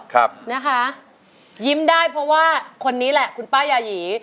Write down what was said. ครับนะคะยิ้มได้เพราะว่าคนนี้แหละคุณป้ายาหยี